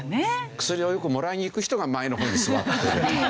薬をよくもらいに行く人が前の方に座っていると。